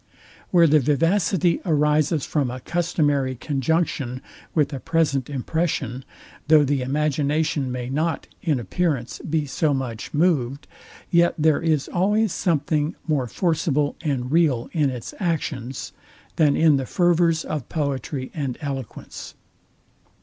Where the vivacity arises from a customary conjunction with a present impression; though the imagination may not, in appearance, be so much moved; yet there is always something more forcible and real in its actions, than in the fervors of poetry and eloquence.